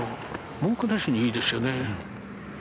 文句なしにいいですよね。